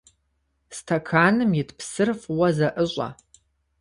Стэканым ит псыр фӀыуэ зэӀыщӀэ.